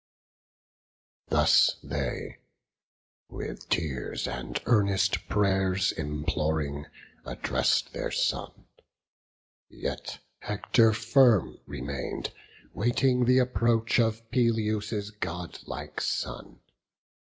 Thus they, with tears and earnest pray'rs imploring, Address'd their son; yet Hector firm remain'd, Waiting th' approach of Peleus' godlike son.